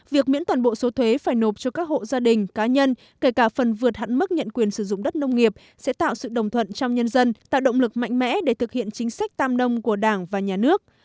việc miễn toàn bộ số thuế phải nộp cho các hộ gia đình cá nhân kể cả phần vượt hạn mức nhận quyền sử dụng đất nông nghiệp sẽ tạo sự đồng thuận trong nhân dân tạo động lực mạnh mẽ để thực hiện chính sách tam nông của đảng và nhà nước